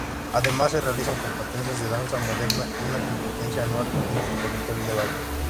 Además se realizan competencias de danza moderna y una competencia anual intercolegial de baile.